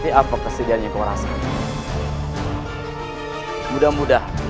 nimas aku ingin mencari bundaku